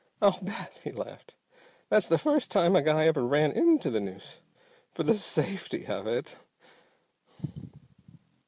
"I'll bet," he laughed, "that's the first time a guy ever ran into the noose for the safety of it!